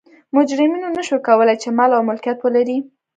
مجرمینو نه شوای کولای چې مال او ملکیت ولري.